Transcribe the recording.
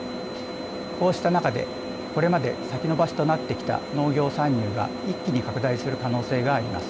こうした中でこれまで先延ばしとなってきた農業参入が一気に拡大する可能性があります。